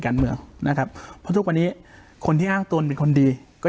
การเมืองนะครับเพราะทุกวันนี้คนที่อ้างตนเป็นคนดีก็